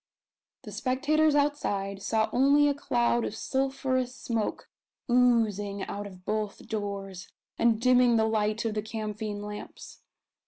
The spectators outside saw only a cloud of sulphurous smoke oozing out of both doors, and dimming the light of the camphine lamps.